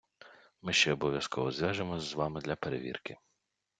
Ми ще обов'язково зв'яжемося з вами для перевірки.